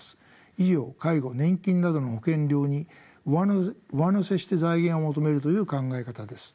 医療・介護・年金などの保険料に上乗せして財源を求めるという考え方です。